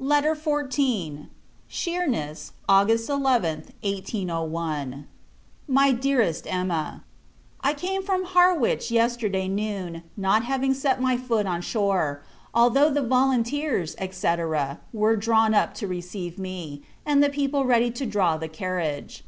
LETTER XIV. Sheerness, August 11th, 1801. MY DEAREST EMMA, I came from Harwich yesterday noon; not having set my foot on shore, although the Volunteers, &c. were drawn up to receive me, and the people ready to draw the carriage.